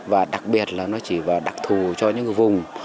và đặc biệt là nó chỉ và đặc thù cho những vùng